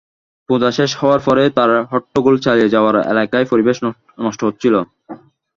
পূজা শেষ হওয়ার পরও তারা হট্টগোল চালিয়ে যাওয়ায় এলাকার পরিবেশ নষ্ট হচ্ছিল।